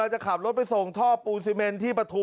ไปไหนไม่รู้ขี่หายไป